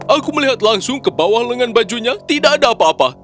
aku melihat langsung ke bawah lengan bajunya tidak ada apa apa